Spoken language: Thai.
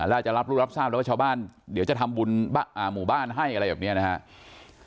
แล้วอาจจะรับรู้รับทราบแล้วว่าชาวบ้านเดี๋ยวจะทำบุญหมู่บ้านให้อะไรแบบนี้นะครับ